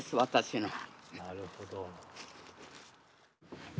なるほど。